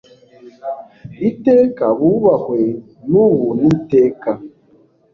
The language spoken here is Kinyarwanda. iteka ; bubahwe n'ubu n'iteka